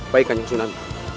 baik anjong sunan